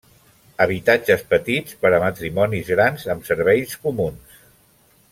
Habitatges petits per a matrimonis grans amb serveis comuns.